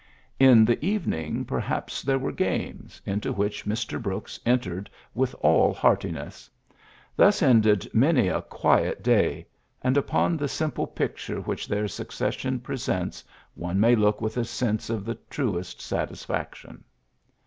In the even ing perhaps there were games, into which Mr. Brooks entered with all heartiness. Thus ended many a quiet day J and upon the simple picture which their succession presents one may look with a sense of the truest satisfaction.